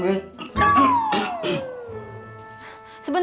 terima kasih pak